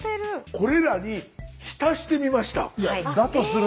これらに浸してみました。